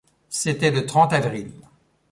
C’était le trente avril.